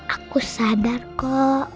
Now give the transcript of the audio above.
aku sadar kok